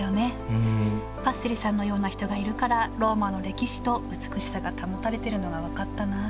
うんパッセリさんのような人がいるからローマの歴史と美しさが保たれてるのが分かったなあ